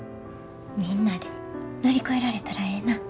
みんなで乗り越えられたらええな。